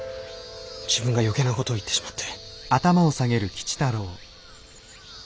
自分が余計な事を言ってしまって。